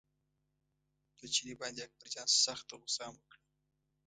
په چیني باندې اکبرجان سخته غوسه هم وکړه.